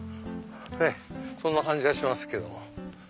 そんな感じがしますけど。